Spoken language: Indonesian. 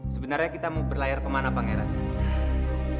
sebenarnya kita mau berlayar kemana pak gerang